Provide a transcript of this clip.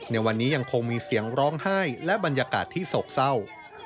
ในวันนี้ยังคงมีเสียงร้องไห้และบรรยากาศที่โศกเศร้า